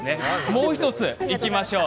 もう１ついきましょう。